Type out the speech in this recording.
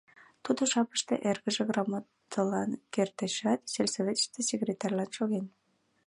Тудо жапыште эргыже грамотылан кертешат, сельсоветыште секретарьлан шоген.